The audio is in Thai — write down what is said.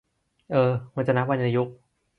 เออ มันจะนับวรรณยุกต์